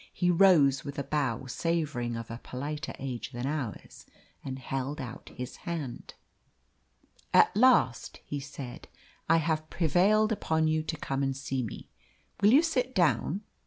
He rose with a bow savouring of a politer age than ours, and held out his hand. "At last," he said, "I have prevailed upon you to come and see me. Will you sit down?